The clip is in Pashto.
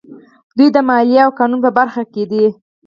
دوی د مالیې او قانون په برخه کې دي.